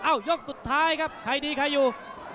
ยกสุดท้ายครับใครดีใครอยู่